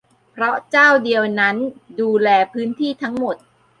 เพราะเจ้าเดียวนั่นดูแลพื้นที่ทั้งหมด